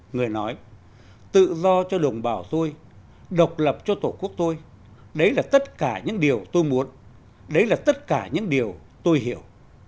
người nói tự do cho đồng bào tôi độc lập cho tổ quốc tôi đấy là tất cả những điều tôi muốn đấy là tất cả những điều tôi hiểu